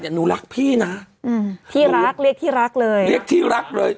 แต่หนูรักพี่นะอืมที่รักเรียกที่รักเลยเรียกที่รักเลย